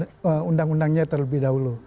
kita lihat undang undangnya terlebih dahulu